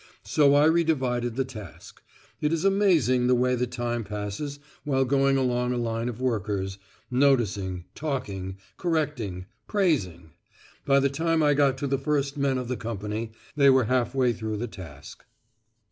So I redivided the task. It is amazing the way the time passes while going along a line of workers, noticing, talking, correcting, praising. By the time I got to the first men of the company, they were half way through the task.